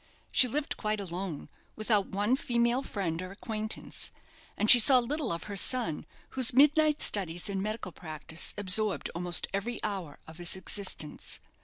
She lived quite alone, without one female friend or acquaintance, and she saw little of her son, whose midnight studies and medical practice absorbed almost every hour of his existence.